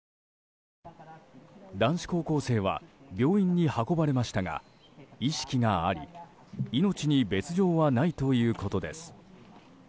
男子高校生は病院に運ばれましたが意識があり命に別条はないということです。